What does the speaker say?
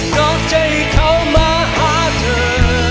ก็จะให้เขามาหาเธอ